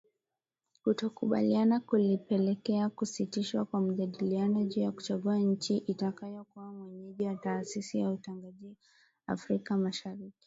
Kutokukubaliana kulipelekea kusitishwa kwa majadiliano juu ya kuchagua nchi itakayokuwa mwenyeji wa taasisi ya utangazaji Afrika Mashariki .